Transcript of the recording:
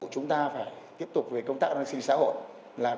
chúng ta phải tiếp tục về công tác an sinh xã hội